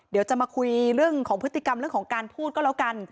เดี๋ยวจะมาคุยเรื่องของพฤติกรรมเรื่องของการพูดก็แล้วกัน